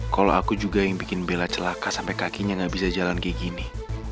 kalau aku juga yang bikin bela celaka sampai kakinya gak bisa jalan kayak gini